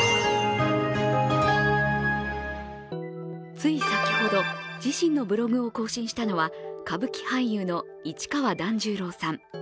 つい先ほど、自身のブログを更新したのは歌舞伎俳優の市川團十郎さん。